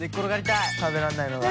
食べられないのが。